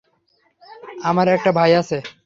আমার একটা ভাই আছে।